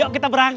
lagi jam berapa